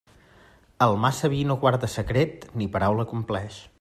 El massa vi no guarda secret ni paraula compleix.